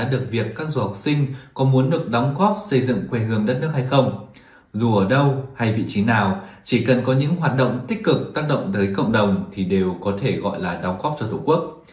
dù ở đâu hay vị trí nào chỉ cần có những hoạt động tích cực tác động tới cộng đồng thì đều có thể gọi là đóng góp cho tổ quốc